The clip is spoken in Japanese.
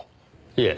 いえ。